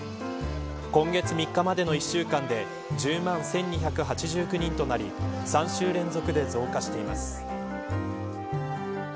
今月３日までの１週間で１０万１２８９人となり３週連続で増加しています。